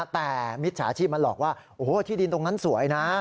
แต่มิจฉาชีพมันหลอกว่าโอ้โหที่ดินตรงนั้นสวยนะ